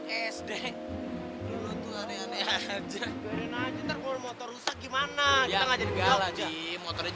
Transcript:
eh kecil kecil sudah nyopet woi